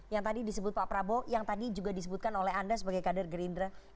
yang tadi disebut pak prabowo yang tadi juga disebutkan oleh anda sebagai kader gerindra